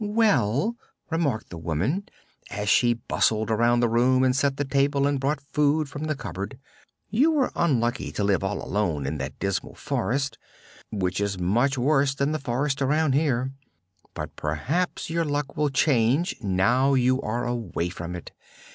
"Well," remarked the woman, as she bustled around the room and set the table and brought food from the cupboard, "you were unlucky to live all alone in that dismal forest, which is much worse than the forest around here; but perhaps your luck will change, now you are away from it.